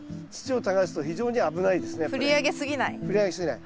振り上げ過ぎない。